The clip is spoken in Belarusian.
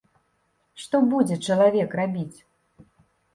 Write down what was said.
Што будзе чалавек рабіць?